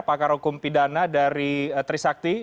pakar hukum pidana dari trisakti